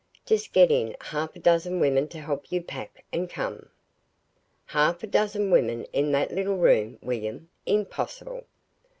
Just get in half a dozen women to help you pack, and come." "Half a dozen women in that little room, William impossible!"